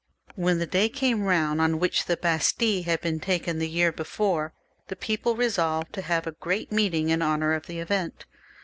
When the day came round on which the Bastille had been taken the year before, the people resolved to have a great meeting in honour of the event.